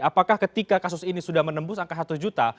apakah ketika kasus ini sudah menembus angka satu juta